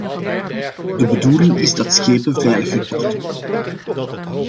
De bedoeling is dat schepen veiliger worden.